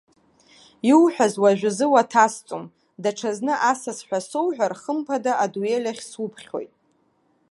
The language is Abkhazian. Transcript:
Иуҳәаз, уажәазы уаҭасҵом, даҽазны асас ҳәа соуҳәар, хымԥада адуель ахь суԥхьоит!